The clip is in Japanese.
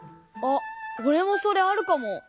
おれもそれあるかも！